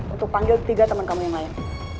untuk panggil tiga teman kamu yang lain